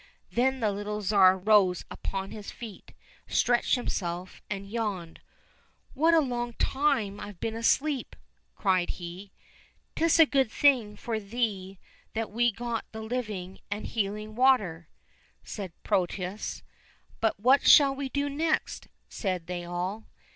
Then the little Tsar rose upon his feet, stretched himself, and yawned. '' What a long time I've been asleep !" cried he. —" 'Tis a good thing for thee that we got the living and healing water !" said Protius. —" But what shall we do next ?" said they all.